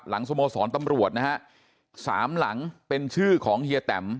สโมสรตำรวจนะฮะสามหลังเป็นชื่อของเฮียแตม